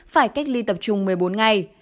phải cách ly tập trung một mươi bốn ngày